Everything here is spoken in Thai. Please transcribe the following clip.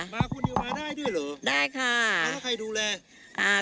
มาคนเดียวมาได้ด้วยเหรอได้ค่ะแล้วถ้าใครดูแลอ่า